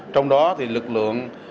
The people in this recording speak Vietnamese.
trong đó thì lực lượng